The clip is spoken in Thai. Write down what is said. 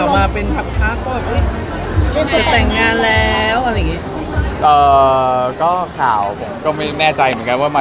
มันก็ถึงเวลา